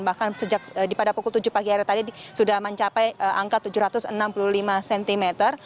bahkan sejak pada pukul tujuh pagi hari tadi sudah mencapai angka tujuh ratus enam puluh lima cm